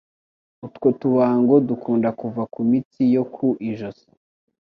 Utwo tubango dukunda kuva ku mitsi yo ku ijosi.